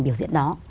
biểu diễn đó